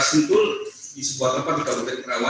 sintul di sebuah tempat di kabupaten kerasa